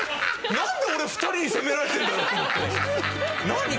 なんで俺２人に責められてるんだろうと思って。